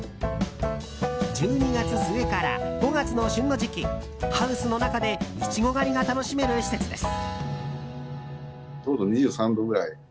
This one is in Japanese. １２月末から５月の旬の時期ハウスの中でイチゴ狩りが楽しめる施設です。